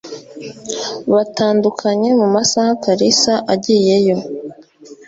batandukanye mu masaha kalisa agiyeyo